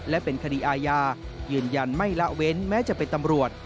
และเป็นคดีอาญายืนยันไม่ละเว้นแม้จะเป็นตำรวจ